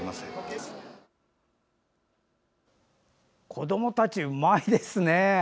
子どもたち、うまいですね。